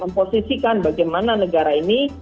memposisikan bagaimana negara ini